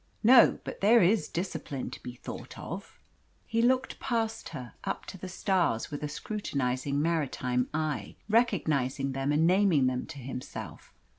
"No, but there is discipline to be thought of." He looked past her, up to the stars, with a scrutinising maritime eye, recognising them and naming them to himself.